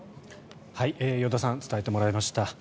依田さん伝えてもらいました。